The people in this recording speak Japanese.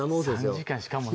３時間しかもね